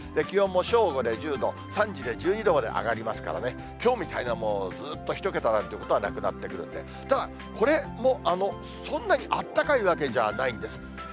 気温も正午で１０度、３時で１２度まで上がりますからね、きょうみたいにずっと１桁なんてことはなくなってくるんで、ただ、これ、そんなにあったかいわけじゃないんです。